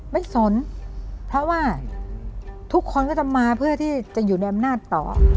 สนเพราะว่าทุกคนก็จะมาเพื่อที่จะอยู่ในอำนาจต่อ